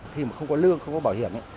khi mà không có lương không có bảo hiểm